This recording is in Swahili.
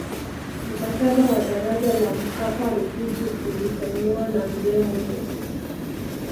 mkataba wa daraja la mkapa rufiji ulisainiwa na mzee mwinyi